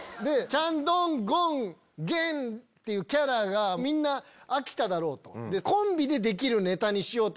チャンドンゴンゲンってキャラがみんな飽きただろうと。